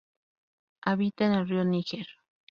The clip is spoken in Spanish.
Habita en el Río Níger.